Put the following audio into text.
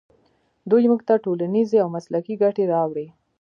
دوی موږ ته ټولنیزې او مسلکي ګټې راوړي.